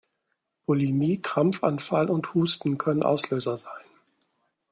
Bulimie, Krampfanfall und Husten können Auslöser sein.